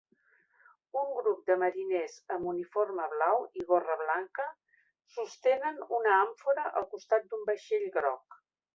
Un grup de mariners amb uniforme blau i gorra blanca sostenen una àmfora al costat d'un vaixell groc.